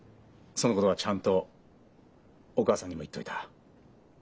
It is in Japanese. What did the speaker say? そのことはちゃんとお母さんにも言っといた。